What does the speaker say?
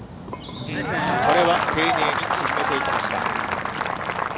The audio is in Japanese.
これは丁寧に沈めていきました。